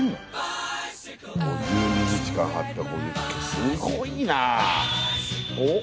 すごいな。